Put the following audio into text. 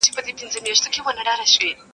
خپل عمل ورسره وړي خپل کردګار ته.